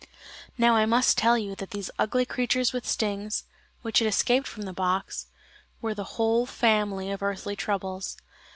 Now I must tell you that these ugly creatures with stings, which had escaped from the box, were the whole family of earthly troubles.